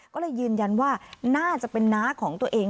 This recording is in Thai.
ก็เลยยืนยันว่าน่าจะเป็นน้าของตัวเอง